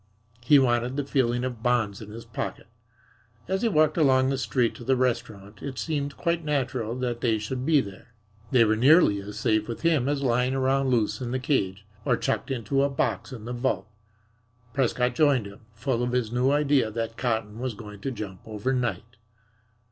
He wanted the feeling of bonds in his pocket. As he walked along the street to the restaurant, it seemed quite natural that they should be there. They were nearly as safe with him as lying around loose in the cage or chucked into a box in the vault. Prescott joined him, full of his new idea that cotton was going to jump overnight.